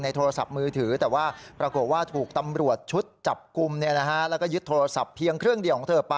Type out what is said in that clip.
หนูก็ไม่เขียนสิ